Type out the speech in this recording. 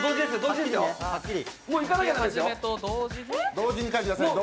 同時に書いてください。